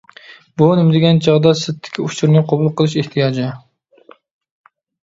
بۇ نېمە دېگەن چاغدا، سىرتتىكى ئۇچۇرنى قوبۇل قىلىش ئېھتىياجى.